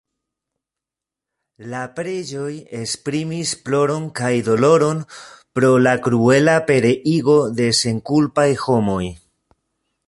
La preĝoj esprimis ploron kaj doloron pro la kruela pereigo de senkulpaj homoj.